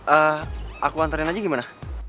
eh aku antarin aja gimana